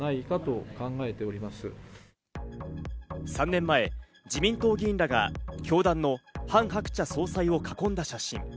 ３年前、自民党議員らが教団のハン・ハクチャ総裁を囲んだ写真。